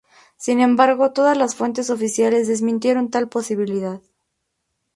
Sin embargo, todas las fuentes oficiales desmienten tal posibilidad.